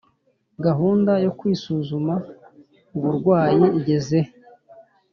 gahunda yo kwisuzuma uburwayi igezehe